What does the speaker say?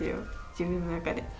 自分の中で。